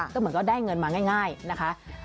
ก็เหมือนก็ได้เงินมาง่ายนะคะ